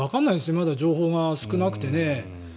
まだ情報が少なくてね。